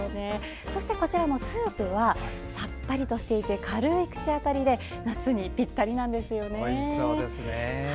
そして、スープはさっぱりとしていて軽い口当たりで夏にぴったりなんですよね。